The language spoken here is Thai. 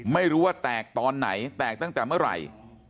ไม่รู้ว่าแตกตอนไหนแตกตั้งแต่เมื่อไหร่